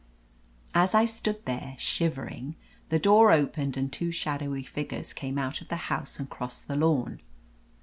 As I stood there shivering, the door opened and two shadowy figures came out of the house and crossed the lawn.